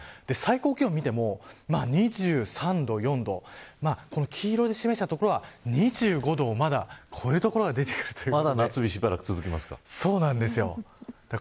最高気温を見ても２３度、２４度黄色で示した所は２５度を、まだ超える所がまだ夏日そうなんですよ。